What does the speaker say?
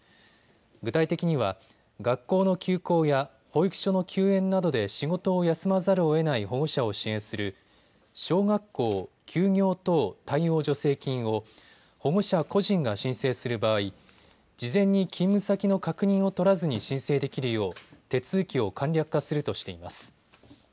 具体的には学校の休校や保育所の休園などで仕事を休まざるをえない保護者を支援する小学校休業等対応助成金を保護者個人が申請する場合、事前に勤務先の確認を取らずに申請できるよう手続きを簡略化するとしています。